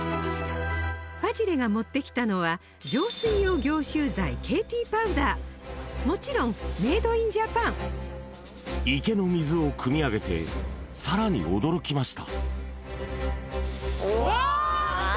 ファジレが持ってきたのはもちろんメイドインジャパン池の水をくみ上げてさらに驚きました